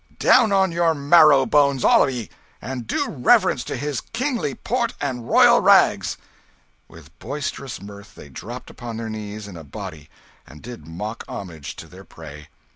Down on your marrow bones, all of ye, and do reverence to his kingly port and royal rags!" With boisterous mirth they dropped upon their knees in a body and did mock homage to their prey.